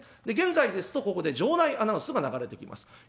で現在ですとここで場内アナウンスが流れてきます。